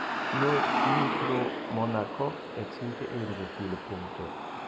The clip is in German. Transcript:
Nur Dmytro Monakow erzielte ebenso viele Punkte.